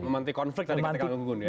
memanti konflik tadi ktk ngu ngun ya